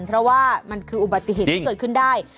เพราะว่ามันคืออุบัติเหตุที่เกิดขึ้นได้